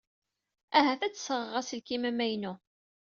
Ahat ad d-sɣeɣ aselkim amaynu.